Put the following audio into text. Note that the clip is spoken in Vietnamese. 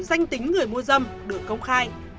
danh tính người mua dâm được công khai